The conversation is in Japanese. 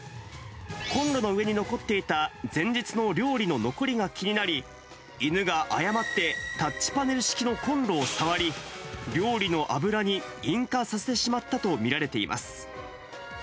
コンロの上に残っていた前日の料理の残りが気になり、犬が誤ってタッチパネル式のコンロを触り、料理の油に引火させてしまったと見られています。